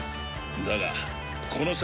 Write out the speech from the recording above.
だがこの先